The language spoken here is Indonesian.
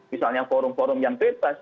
misalnya forum forum yang bebas